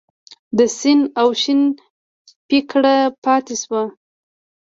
د سین او شین پیکړه پاتې شوه.